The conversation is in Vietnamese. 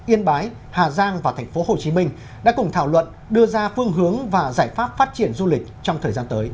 yên bái hà giang và tp hcm đã cùng thảo luận đưa ra phương hướng và giải pháp phát triển du lịch